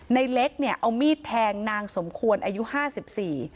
ในเล็กเนี่ยเอามีดแทงนางสมควรอายุห้าสิบสี่